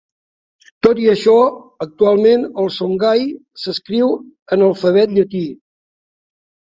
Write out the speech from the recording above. Tot i això, actualment el shongai s'escriu en alfabet llatí.